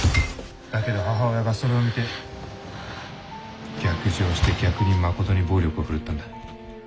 だけど母親がそれを見て逆上して逆に誠に暴力を振るったんだ。